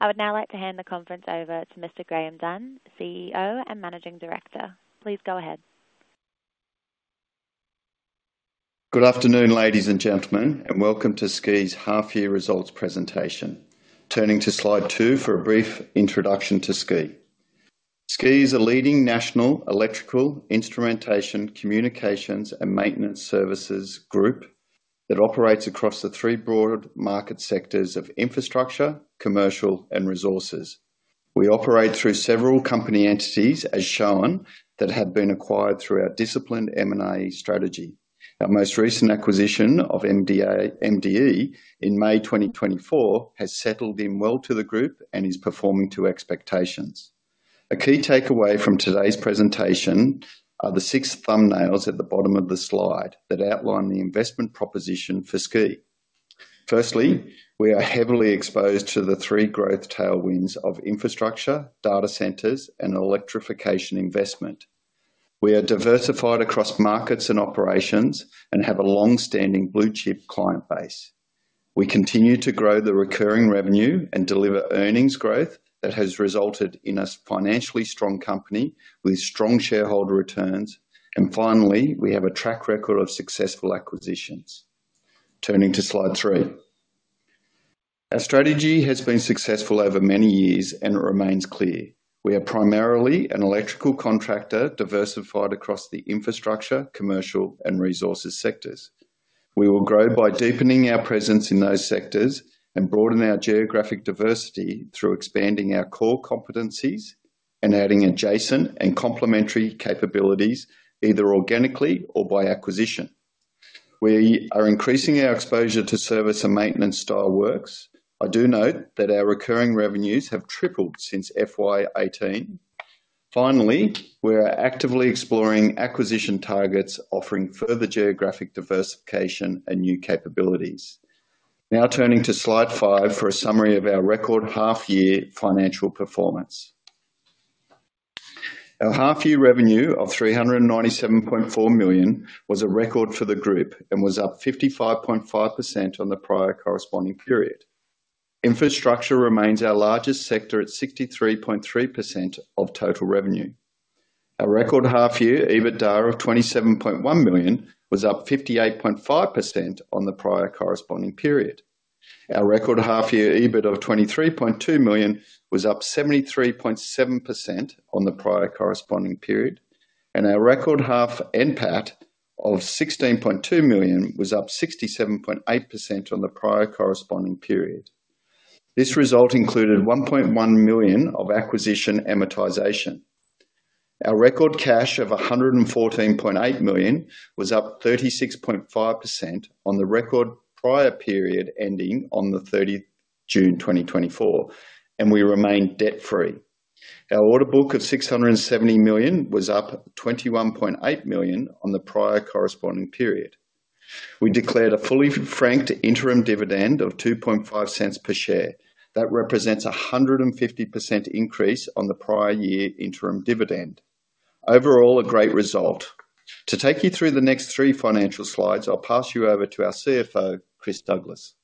I would now like to hand the conference over to Mr. Graeme Dunn, CEO and Managing Director. Please go ahead. Good afternoon, ladies and gentlemen, and welcome to SCEE's half-year results presentation. Turning to slide two for a brief introduction to SCEE. SCEE is a leading national electrical instrumentation, communications, and maintenance services group that operates across the three broad market sectors of infrastructure, commercial, and resources. We operate through several company entities, as shown, that have been acquired through our disciplined M&A strategy. Our most recent acquisition of MDE in May 2024 has settled in well to the group and is performing to expectations. A key takeaway from today's presentation are the six thumbnails at the bottom of the slide that outline the investment proposition for SCEE. Firstly, we are heavily exposed to the three growth tailwinds of infrastructure, data centres, and electrification investment. We are diversified across markets and operations and have a long-standing blue-chip client base. We continue to grow the recurring revenue and deliver earnings growth that has resulted in a financially strong company with strong shareholder returns, and finally, we have a track record of successful acquisitions. Turning to slide three. Our strategy has been successful over many years, and it remains clear. We are primarily an electrical contractor diversified across the infrastructure, commercial, and resources sectors. We will grow by deepening our presence in those sectors and broaden our geographic diversity through expanding our core competencies and adding adjacent and complementary capabilities, either organically or by acquisition. We are increasing our exposure to service and maintenance-style works. I do note that our recurring revenues have tripled since FY18. Finally, we are actively exploring acquisition targets, offering further geographic diversification and new capabilities. Now turning to slide five for a summary of our record half-year financial performance. Our half-year revenue of 397.4 million was a record for the group and was up 55.5% on the prior corresponding period. Infrastructure remains our largest sector at 63.3% of total revenue. Our record half-year EBITDA of 27.1 million was up 58.5% on the prior corresponding period. Our record half-year EBIT of 23.2 million was up 73.7% on the prior corresponding period, and our record half NPAT of 16.2 million was up 67.8% on the prior corresponding period. This result included 1.1 million of acquisition amortization. Our record cash of 114.8 million was up 36.5% on the record prior period ending on the 30th of June 2024, and we remain debt-free. Our order book of 670 million was up 21.8 million on the prior corresponding period. We declared a fully franked interim dividend of 0.025 per share. That represents a 150% increase on the prior year interim dividend. Overall, a great result. To take you through the next three financial slides, I'll pass you over to our CFO, Chris Douglass.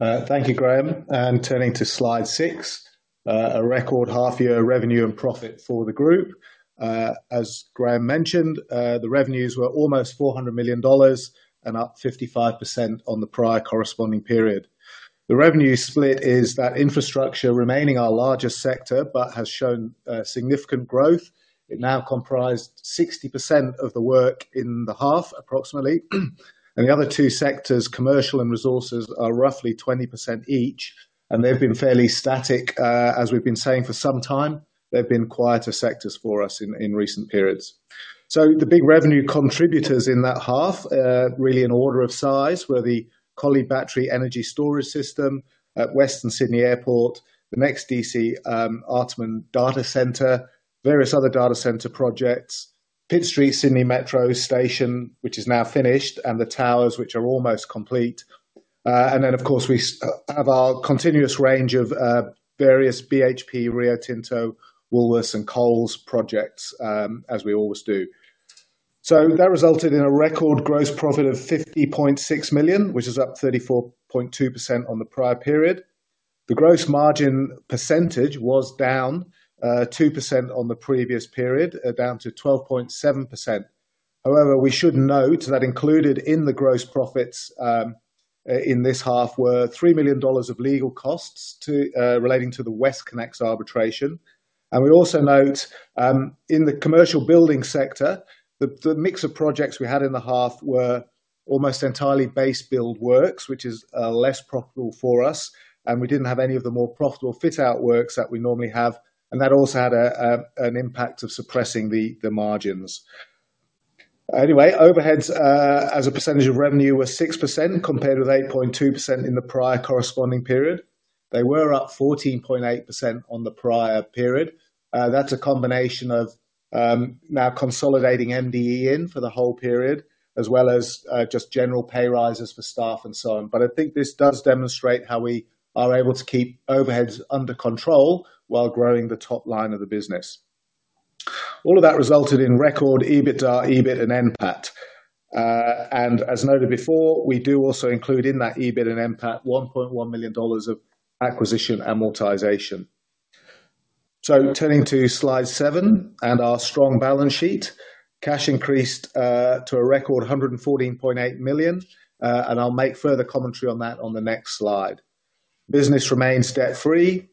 Thank you, Graeme. Turning to slide six, a record half-year revenue and profit for the group. As Graeme mentioned, the revenues were almost 400 million dollars and up 55% on the prior corresponding period. The revenue split is that infrastructure remaining our largest sector but has shown significant growth. It now comprised 60% of the work in the half, approximately. The other two sectors, commercial and resources, are roughly 20% each, and they've been fairly static. As we've been saying for some time, they've been quieter sectors for us in recent periods. The big revenue contributors in that half, really in order of size, were the Collie Battery Energy Storage System at Western Sydney Airport, the NEXTDC Artarmon data centre, various other data centre projects, Pitt Street, Sydney Metro Station, which is now finished, and the towers, which are almost complete. And then, of course, we have our continuous range of various BHP, Rio Tinto, Woolworths, and Coles projects, as we always do. So that resulted in a record gross profit of 50.6 million, which is up 34.2% on the prior period. The gross margin percentage was down 2% on the previous period, down to 12.7%. However, we should note that included in the gross profits in this half were 3 million dollars of legal costs relating to the WestConnex arbitration. And we also note in the commercial building sector, the mix of projects we had in the half were almost entirely base build works, which is less profitable for us, and we didn't have any of the more profitable fit-out works that we normally have. And that also had an impact of suppressing the margins. Anyway, overheads as a percentage of revenue were 6% compared with 8.2% in the prior corresponding period. They were up 14.8% on the prior period. That's a combination of now consolidating MDE in for the whole period, as well as just general pay rises for staff and so on. But I think this does demonstrate how we are able to keep overheads under control while growing the top line of the business. All of that resulted in record EBITDA, EBIT, and NPAT. And as noted before, we do also include in that EBIT and NPAT 1.1 million dollars of acquisition amortization. So turning to slide seven and our strong balance sheet, cash increased to a record 114.8 million, and I'll make further commentary on that on the next slide. Business remains debt-free.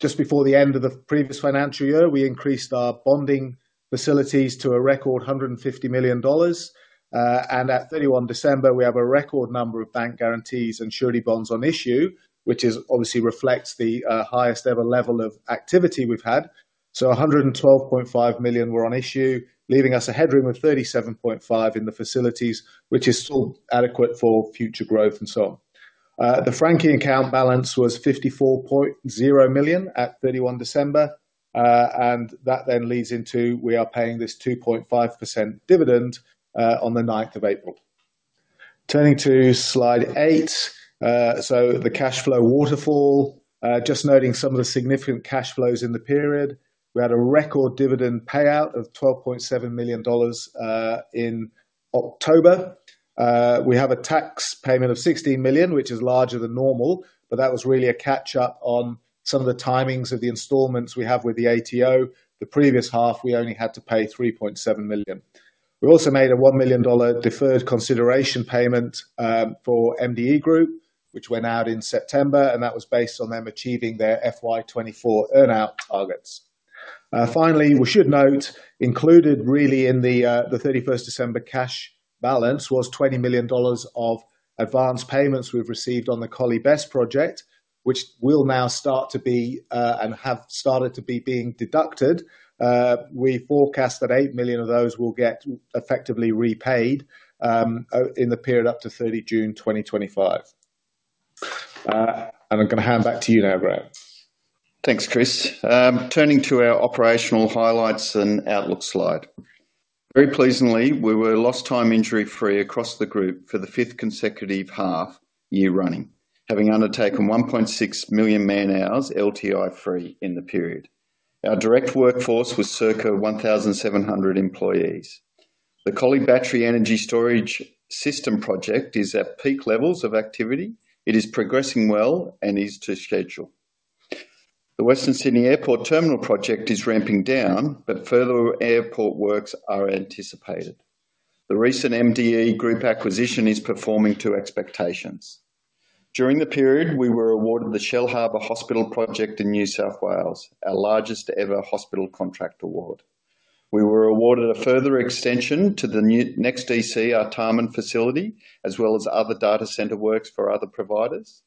Just before the end of the previous financial year, we increased our bonding facilities to a record 150 million dollars. At 31 December, we have a record number of bank guarantees and surety bonds on issue, which obviously reflects the highest ever level of activity we've had. 112.5 million were on issue, leaving us a headroom of 37.5 million in the facilities, which is still adequate for future growth and so on. The franking account balance was 54.0 million at 31 December, and that then leads into we are paying this 2.5% dividend on the 9th of April. Turning to slide eight, so the cash flow waterfall, just noting some of the significant cash flows in the period. We had a record dividend payout of 12.7 million dollars in October. We have a tax payment of 16 million, which is larger than normal, but that was really a catch-up on some of the timings of the installments we have with the ATO. The previous half, we only had to pay 3.7 million. We also made a 1 million dollar deferred consideration payment for MDE Group, which went out in September, and that was based on them achieving their FY2024 earnout targets. Finally, we should note, included really in the 31st December cash balance was 20 million dollars of advance payments we've received on the Collie BESS project, which will now start to be deducted. We forecast that 8 million of those will get effectively repaid in the period up to 30 June 2025. And I'm going to hand back to you now, Graeme. Thanks, Chris. Turning to our operational highlights and outlook slide. Very pleasingly, we were lost time injury-free across the group for the fifth consecutive half year running, having undertaken 1.6 million man-hours LTI-free in the period. Our direct workforce was circa 1,700 employees. The Collie Battery Energy Storage System project is at peak levels of activity. It is progressing well and is on schedule. The Western Sydney Airport terminal project is ramping down, but further airport works are anticipated. The recent MDE Group acquisition is performing to expectations. During the period, we were awarded the Shellharbour Hospital project in New South Wales, our largest ever hospital contract award. We were awarded a further extension to the NEXTDC Artarmon facility, as well as other data centre works for other providers.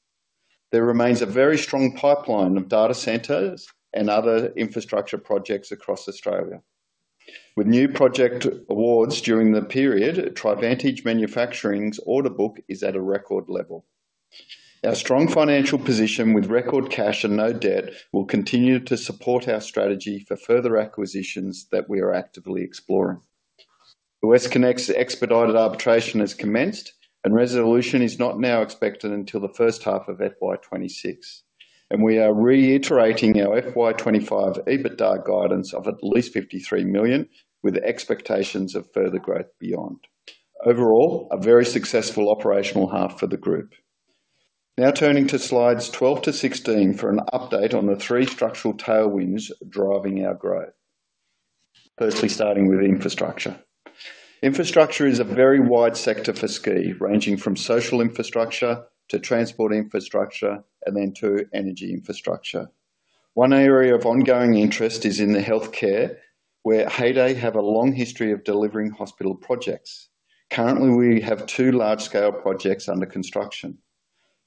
There remains a very strong pipeline of data centres and other infrastructure projects across Australia. With new project awards during the period, Trivantage Manufacturing's order book is at a record level. Our strong financial position with record cash and no debt will continue to support our strategy for further acquisitions that we are actively exploring. The WestConnex expedited arbitration has commenced, and resolution is not now expected until the first half of FY2026. We are reiterating our FY2025 EBITDA guidance of at least 53 million, with expectations of further growth beyond. Overall, a very successful operational half for the group. Now turning to slides 12 to 16 for an update on the three structural tailwinds driving our growth. Firstly, starting with infrastructure. Infrastructure is a very wide sector for SCEE, ranging from social infrastructure to transport infrastructure and then to energy infrastructure. One area of ongoing interest is in the healthcare, where Heyday have a long history of delivering hospital projects. Currently, we have two large-scale projects under construction.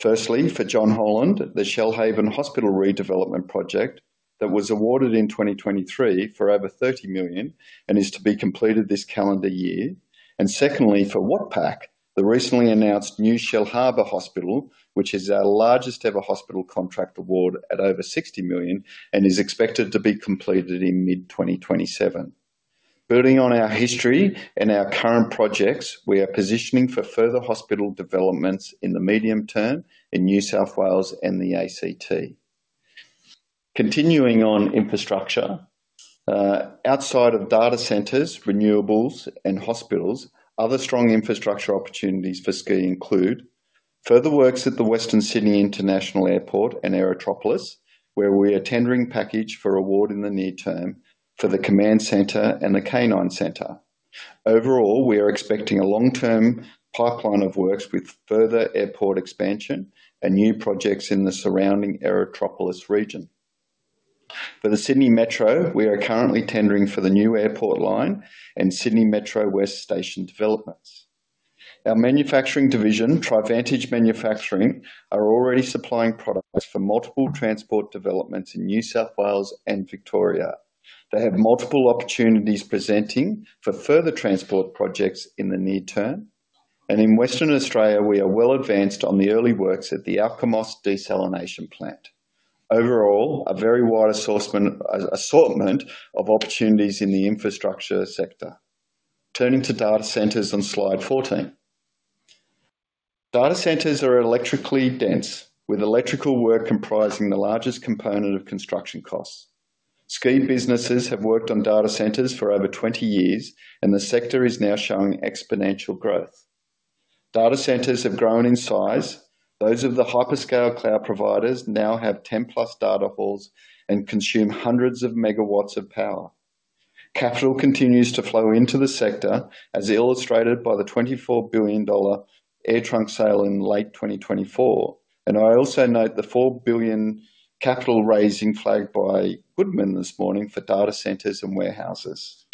Firstly, for John Holland, the Shoalhaven Hospital redevelopment project that was awarded in 2023 for over 30 million and is to be completed this calendar year. And secondly, for BESIX Watpac, the recently announced new Shellharbour Hospital, which is our largest ever hospital contract award at over 60 million and is expected to be completed in mid-2027. Building on our history and our current projects, we are positioning for further hospital developments in the medium term in New South Wales and the ACT. Continuing on infrastructure, outside of data centres, renewables, and hospitals, other strong infrastructure opportunities for SCEE include further works at the Western Sydney International Airport and Aerotropolis, where we are tendering package for award in the near term for the Command Centre and the Canine Centre. Overall, we are expecting a long-term pipeline of works with further airport expansion and new projects in the surrounding Aerotropolis region. For the Sydney Metro, we are currently tendering for the new airport line and Sydney Metro West Station developments. Our manufacturing division, Trivantage Manufacturing, are already supplying products for multiple transport developments in New South Wales and Victoria. They have multiple opportunities presenting for further transport projects in the near term. In Western Australia, we are well advanced on the early works at the Alkimos Desalination Plant. Overall, a very wide assortment of opportunities in the infrastructure sector. Turning to data centres on slide 14. Data centres are electrically dense, with electrical work comprising the largest component of construction costs. SCEE businesses have worked on data centres for over 20 years, and the sector is now showing exponential growth. Data centres have grown in size. Those of the hyperscale cloud providers now have 10 plus data halls and consume hundreds of megawatts of power. Capital continues to flow into the sector, as illustrated by the 24 billion dollar AirTrunk sale in late 2024. I also note the 4 billion capital raising flagged by Goodman this morning for data centres and warehouses.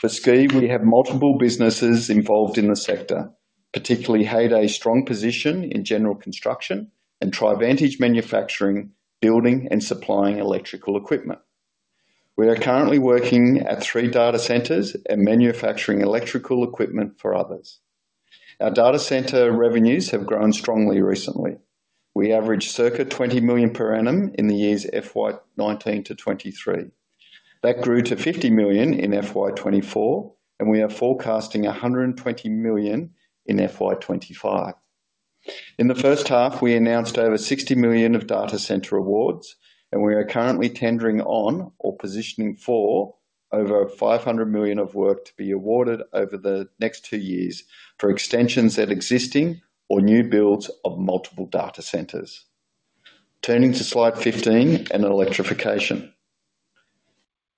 For SCEE, we have multiple businesses involved in the sector, particularly Heyday's strong position in general construction and Trivantage Manufacturing, building and supplying electrical equipment. We are currently working at three data centres and manufacturing electrical equipment for others. Our data centre revenues have grown strongly recently. We average circa 20 million per annum in the years FY2019 to 2023. That grew to 50 million in FY2024, and we are forecasting 120 million in FY2025. In the first half, we announced over 60 million of data centre awards, and we are currently tendering on or positioning for over 500 million of work to be awarded over the next two years for extensions at existing or new builds of multiple data centres. Turning to slide 15 and electrification.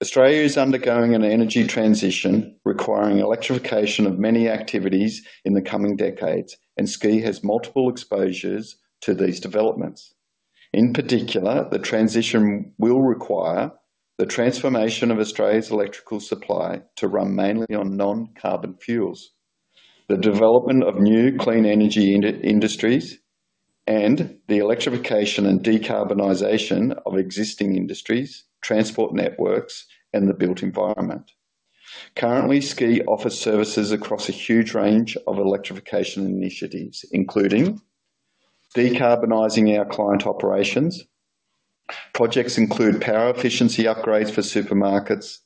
Australia is undergoing an energy transition requiring electrification of many activities in the coming decades, and SCEE has multiple exposures to these developments. In particular, the transition will require the transformation of Australia's electrical supply to run mainly on non-carbon fuels, the development of new clean energy industries, and the electrification and decarbonization of existing industries, transport networks, and the built environment. Currently, SCEE offers services across a huge range of electrification initiatives, including decarbonizing our client operations. Projects include power efficiency upgrades for supermarkets,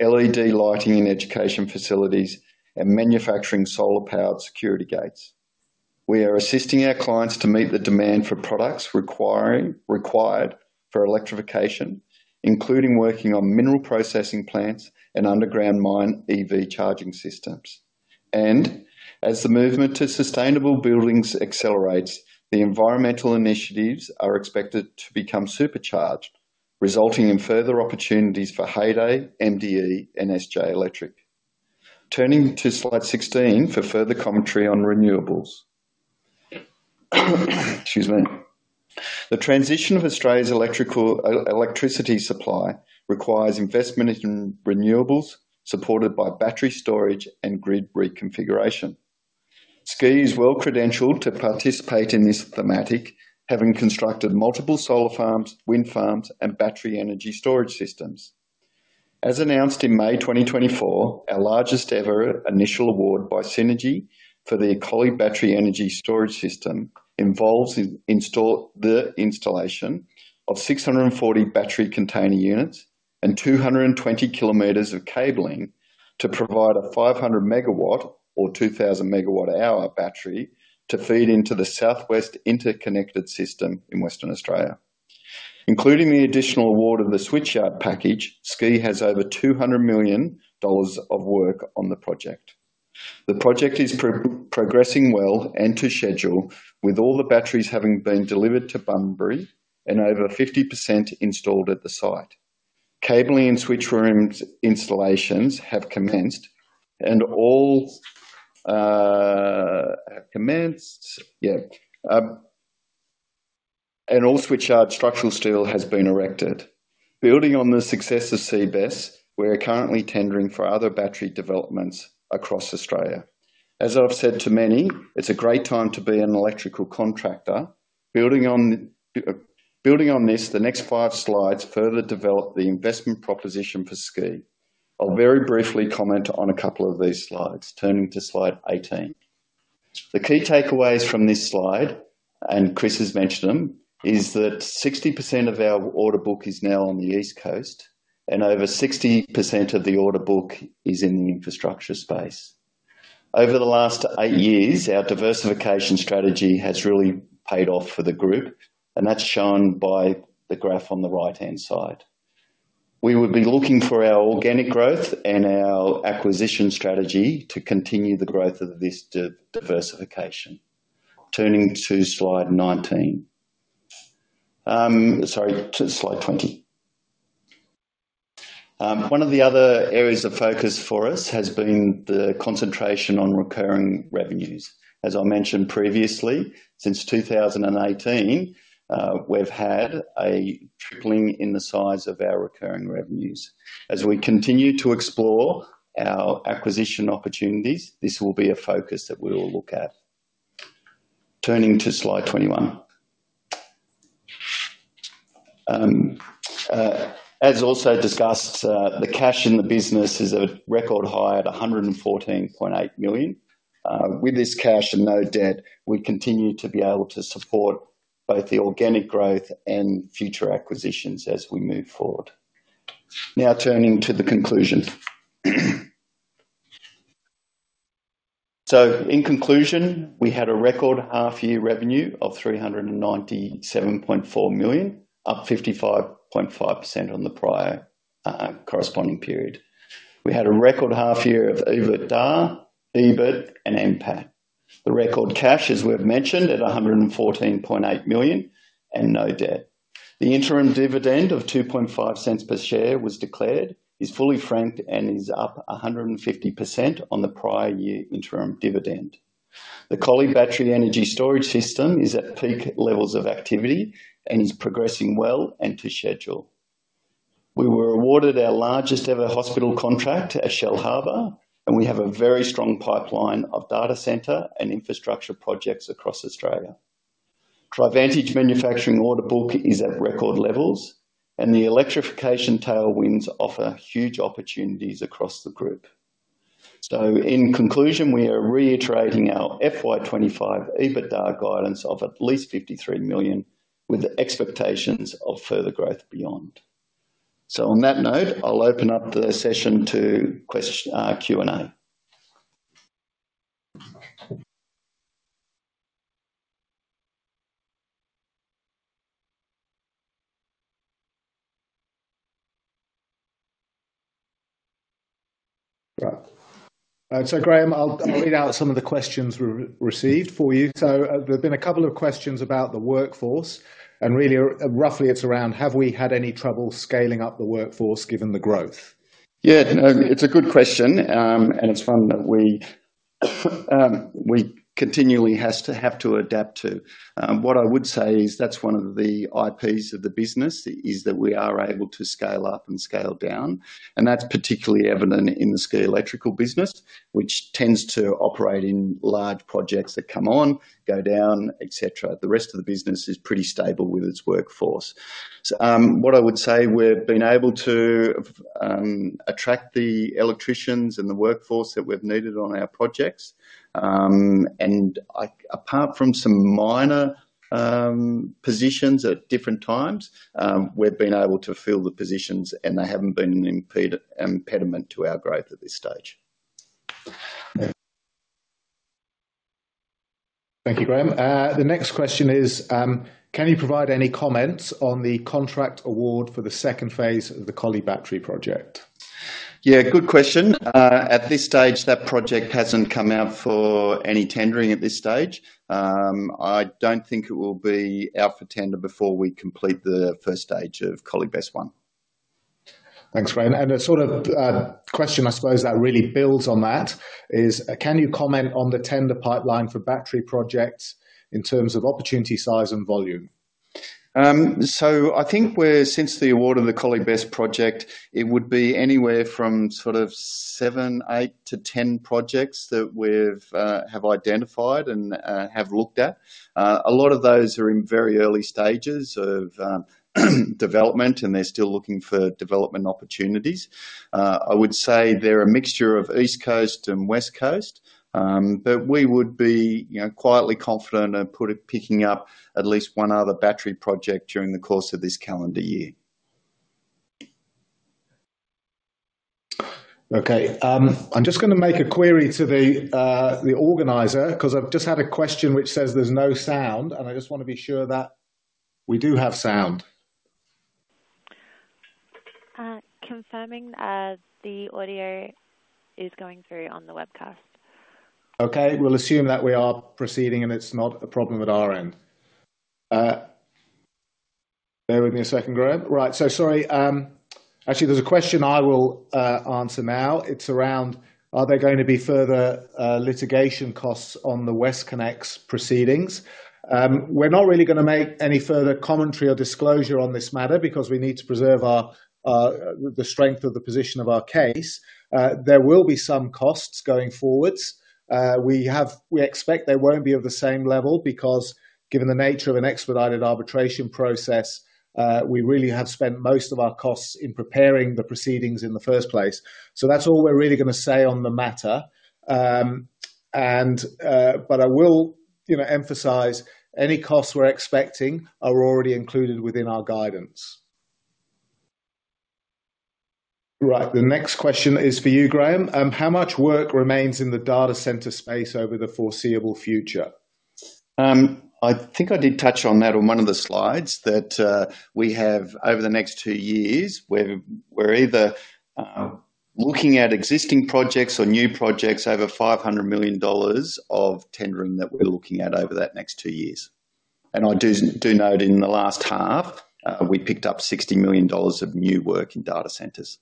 LED lighting in education facilities, and manufacturing solar-powered security gates. We are assisting our clients to meet the demand for products required for electrification, including working on mineral processing plants and underground mine EV charging systems. And as the movement to sustainable buildings accelerates, the environmental initiatives are expected to become supercharged, resulting in further opportunities for Heyday, MDE, and SJ Electric. Turning to slide 16 for further commentary on renewables. Excuse me. The transition of Australia's electricity supply requires investment in renewables supported by battery storage and grid reconfiguration. SCEE is well credentialed to participate in this thematic, having constructed multiple solar farms, wind farms, and battery energy storage systems. As announced in May 2024, our largest ever initial award by Synergy for the Collie Battery Energy Storage System involves the installation of 640 battery container units and 220 kilometers of cabling to provide a 500 megawatt or 2,000 megawatt hour battery to feed into the South West Interconnected System in Western Australia. Including the additional award of the switchyard package, SCEE has over 200 million dollars of work on the project. The project is progressing well and to schedule, with all the batteries having been delivered to Bunbury and over 50% installed at the site. Cabling and switchroom installations have commenced, and all switchyard structural steel has been erected. Building on the success of CBESS, we are currently tendering for other battery developments across Australia. As I've said to many, it's a great time to be an electrical contractor. Building on this, the next five slides further develop the investment proposition for SCEE. I'll very briefly comment on a couple of these slides. Turning to slide 18. The key takeaways from this slide, and Chris has mentioned them, is that 60% of our order book is now on the East Coast, and over 60% of the order book is in the infrastructure space. Over the last eight years, our diversification strategy has really paid off for the group, and that's shown by the graph on the right-hand side. We would be looking for our organic growth and our acquisition strategy to continue the growth of this diversification. Turning to slide 19. Sorry, to slide 20. One of the other areas of focus for us has been the concentration on recurring revenues. As I mentioned previously, since 2018, we've had a tripling in the size of our recurring revenues. As we continue to explore our acquisition opportunities, this will be a focus that we will look at. Turning to slide 21. As also discussed, the cash in the business is a record high at 114.8 million. With this cash and no debt, we continue to be able to support both the organic growth and future acquisitions as we move forward. Now turning to the conclusion so in conclusion, we had a record half-year revenue of 397.4 million, up 55.5% on the prior corresponding period. We had a record half-year of EBITDA, EBIT, and NPAT. The record cash, as we've mentioned, at 114.8 million and no debt. The interim dividend of 0.025 per share was declared, is fully franked, and is up 150% on the prior year interim dividend. The Collie Battery Energy Storage System is at peak levels of activity and is progressing well and to schedule. We were awarded our largest ever hospital contract at Shellharbour, and we have a very strong pipeline of data centre and infrastructure projects across Australia. Trivantage Manufacturing order book is at record levels, and the electrification tailwinds offer huge opportunities across the group. So in conclusion, we are reiterating our FY2025 EBITDA guidance of at least 53 million, with expectations of further growth beyond. So on that note, I'll open up the session to Q&A. Right. So Graeme, I'll read out some of the questions we've received for you. So there have been a couple of questions about the workforce. And really, roughly, it's around have we had any trouble scaling up the workforce given the growth? Yeah, it's a good question. And it's one that we continually have to adapt to. What I would say is that's one of the IPs of the business, is that we are able to scale up and scale down, and that's particularly evident in the SCEE Electrical business, which tends to operate in large projects that come on, go down, etc. The rest of the business is pretty stable with its workforce. What I would say, we've been able to attract the electricians and the workforce that we've needed on our projects, and apart from some minor positions at different times, we've been able to fill the positions, and they haven't been an impediment to our growth at this stage. Thank you, Graeme. The next question is, can you provide any comments on the contract award for the second phase of the Collie Battery project? Yeah, good question. At this stage, that project hasn't come out for any tendering at this stage. I don't think it will be out for tender before we complete the first stage of Collie BESS one. Thanks, Graeme. And a sort of question, I suppose, that really builds on that is, can you comment on the tender pipeline for battery projects in terms of opportunity size and volume? So I think since the award of the Collie BESS project, it would be anywhere from sort of seven, eight to 10 projects that we have identified and have looked at. A lot of those are in very early stages of development, and they're still looking for development opportunities. I would say they're a mixture of East Coast and West Coast, but we would be quietly confident of picking up at least one other battery project during the course of this calendar year. Okay. I'm just going to make a query to the organizer because I've just had a question which says there's no sound, and I just want to be sure that we do have sound. Confirming the audio is going through on the webcast. Okay, we'll assume that we are proceeding, and it's not a problem at our end. Bear with me a second, Graeme. Right, so sorry. Actually, there's a question I will answer now. It's around, are there going to be further litigation costs on the WestConnex proceedings? We're not really going to make any further commentary or disclosure on this matter because we need to preserve the strength of the position of our case. There will be some costs going forwards. We expect they won't be of the same level because, given the nature of an expedited arbitration process, we really have spent most of our costs in preparing the proceedings in the first place. So that's all we're really going to say on the matter. But I will emphasize any costs we're expecting are already included within our guidance. Right, the next question is for you, Graeme. How much work remains in the data centre space over the foreseeable future? I think I did touch on that on one of the slides, that we have, over the next two years, we're either looking at existing projects or new projects, over 500 million dollars of tendering that we're looking at over that next two years. And I do note in the last half, we picked up 60 million dollars of new work in data centres.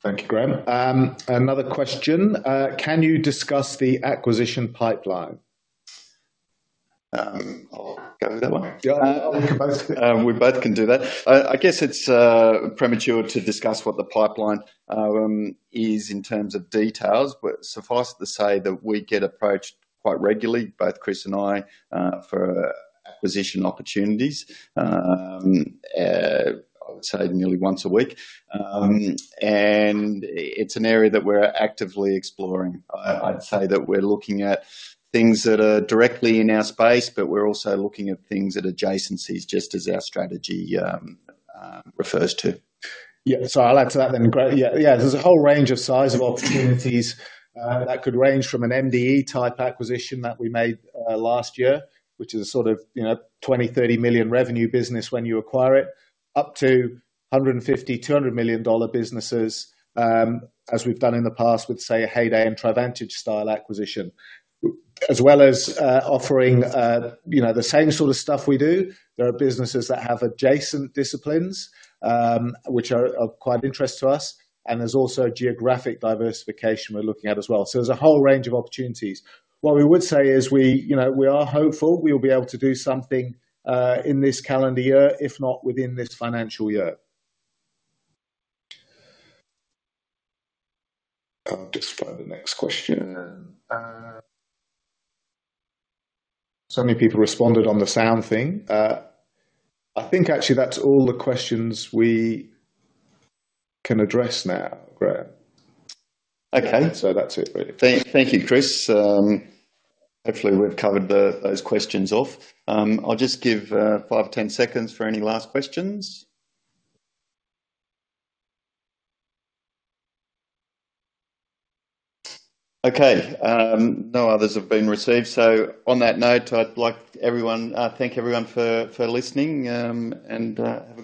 Thank you, Graeme. Another question. Can you discuss the acquisition pipeline? I'll go with that one. We both can do that. I guess it's premature to discuss what the pipeline is in terms of details, but suffice to say that we get approached quite regularly, both Chris and I, for acquisition opportunities, I would say nearly once a week. And it's an area that we're actively exploring. I'd say that we're looking at things that are directly in our space, but we're also looking at things at adjacencies, just as our strategy refers to. Yeah, so I'll add to that then. Yeah, there's a whole range of size of opportunities that could range from an MDE type acquisition that we made last year, which is a sort of 20 million-30 million revenue business when you acquire it, up to 150 million-200 million dollar businesses, as we've done in the past with, say, a Heyday and Trivantage style acquisition, as well as offering the same sort of stuff we do. There are businesses that have adjacent disciplines, which are of quite interest to us. And there's also geographic diversification we're looking at as well. So there's a whole range of opportunities. What we would say is we are hopeful we will be able to do something in this calendar year, if not within this financial year. I'll just find the next question. So many people responded on the sound thing. I think, actually, that's all the questions we can address now, Graeme. Okay. So that's it, really. Thank you, Chris. Hopefully, we've covered those questions off. I'll just give five, 10 seconds for any last questions. Okay, no others have been received. So on that note, I'd like everyone to thank everyone for listening and have.